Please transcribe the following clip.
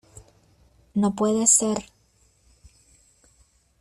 no puede ser.